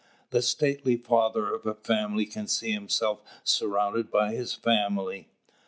The stately father of a family can see himself surrounded by his family.